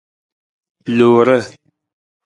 Lore.